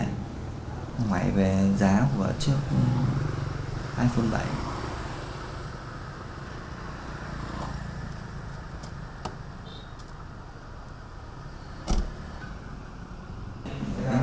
cháu đi gọi một chiếc taxi hãng bảy trăm bảy mươi tám